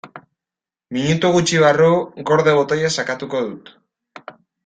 Minutu gutxi barru "gorde" botoia sakatuko dut.